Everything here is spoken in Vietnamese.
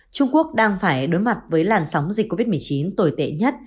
trung quốc đang phải đối mặt với làn sóng dịch covid một mươi chín tồi tệ nhất